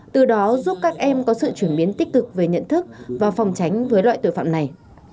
từ đó giúp các em có sự chuyển biến tích cực về nhận thức và phòng tránh với loại tội phạm này